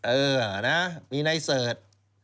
เออนะมีในเสิร์ช